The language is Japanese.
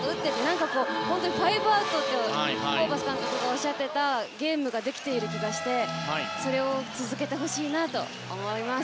何かファイブアウトとホーバスコーチがおっしゃっていたゲームができている気がしてそれを続けてほしいなと思います。